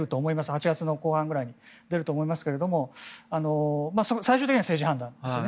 ８月の後半ぐらいに出ると思いますけど最終的には政治判断ですよね。